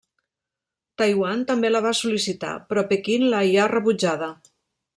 Taiwan també la va sol·licitar, però Pequín la hi ha rebutjada.